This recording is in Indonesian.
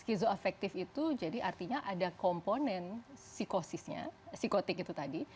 skizoafective itu jadi artinya ada komponen psikosisnya psikotik itu tadi